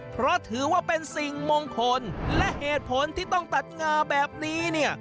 เพราะถือว่าเป็นสิ่งมงคลและเหตุผลที่ต้องตัดงาแบบนี้เนี่ย